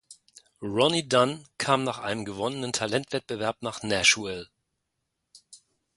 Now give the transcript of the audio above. Ronnie Dunn kam nach einem gewonnenen Talentwettbewerb nach Nashville.